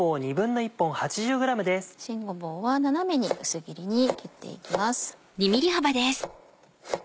新ごぼうは斜めに薄切りに切っていきます。